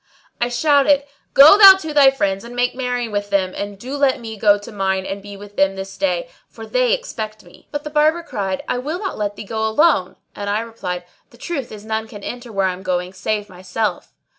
I shouted, "Go thou to thy friends and make merry with them; and do let me go to mine and be with them this day, for they expect me." But the Barber cried, "I will not let thee go alone;" and I replied, "The truth is none can enter where I am going save myself."